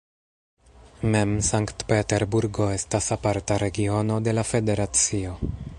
Mem Sankt-Peterburgo estas aparta regiono de la federacio.